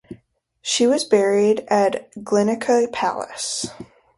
She was buried at Glienicke Palace.